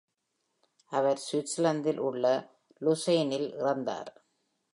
அவர் சுவிட்சர்லாந்தில் உள்ள லுசெர்னெ-யில் இறந்தார்.